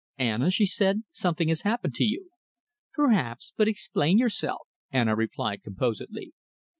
"Anna," she said, "something has happened to you." "Perhaps, but explain yourself," Anna replied composedly.